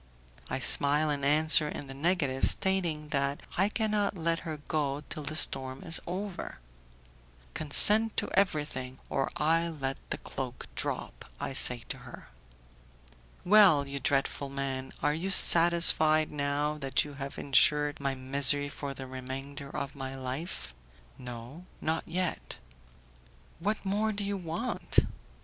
I smile and answer in the negative, stating that I cannot let her go till the storm is over. "Consent to everything, or I let the cloak drop," I say to her. "Well, you dreadful man, are you satisfied, now that you have insured my misery for the remainder of my life?" "No, not yet." "What more do you want?"